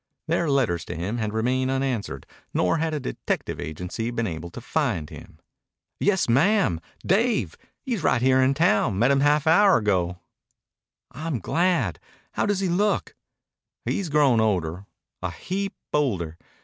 Their letters to him had remained unanswered nor had a detective agency been able to find him. "Yes, ma'am, Dave! He's right here in town. Met him half an hour ago." "I'm glad. How does he look?" "He's grown older, a heap older.